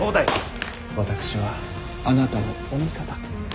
私はあなたのお味方。